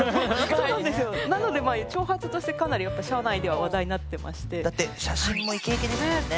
なのでまあ長髪としてかなり社内では話題になってましてだって写真もイケイケですもんね。